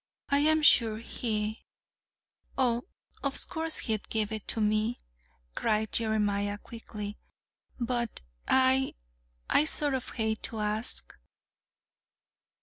"I'm sure he " "Oh, of course, he'd give it to me," cried Jeremiah quickly; "but I I sort of hate to ask."